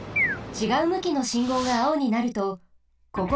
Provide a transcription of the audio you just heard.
ちがうむきのしんごうがあおになるとここからは。